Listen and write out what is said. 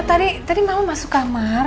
tadi mama masuk kamar